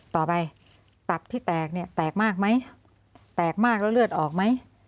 ต่อไปตับที่แตกเนี่ยแตกมากไหมแตกมากแล้วเลือดออกไหม